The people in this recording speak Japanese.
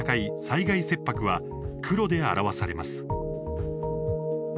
災害切迫は黒で表されます。